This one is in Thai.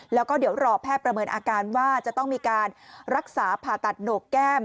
แล้วก็เดี๋ยวรอแพทย์ประเมินอาการว่าจะต้องมีการรักษาผ่าตัดโหนกแก้ม